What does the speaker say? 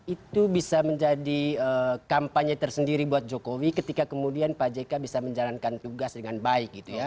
itu bisa menjadi kampanye tersendiri buat jokowi ketika kemudian pak jk bisa menjalankan tugas dengan baik gitu ya